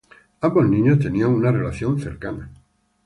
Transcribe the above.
Ambos niños tenían una relación cercana.